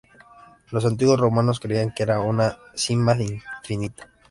Los antiguos romanos creían que era una sima infinita.